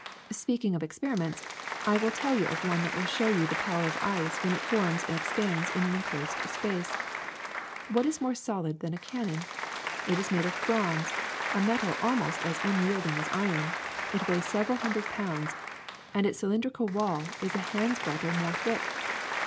'' ^'Speaking of experiments, I will tell you of one that will show you the power of ice when it forms and expands in an enclosed space. What is more solid than a cannon? It is made of bronze, a metal almost as unyielding as iron ; it weighs several hun dred pounds; and its cj^lindrical wall is a hand's breadth or more thick.